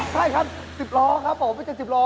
ใช่ครับ๑๐ล้อครับผมเป็น๗๐ล้อ